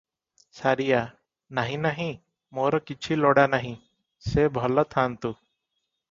ସାରିଆ - ନାହିଁ ନାହିଁ, ମୋର କିଛି ଲୋଡ଼ା ନାହିଁ, ସେ ଭଲ ଥାଆନ୍ତୁ ।